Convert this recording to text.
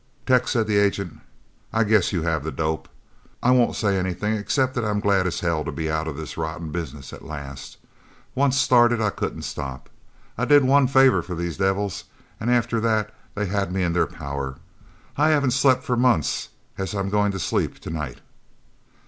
"Tex," said the agent. "I guess you have the dope. I won't say anything except that I'm glad as hell to be out of the rotten business at last. Once started I couldn't stop. I did one 'favour' for these devils, and after that they had me in their power. I haven't slept for months as I'm going to sleep tonight!"